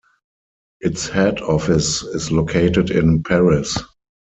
Its head office is located in Paris.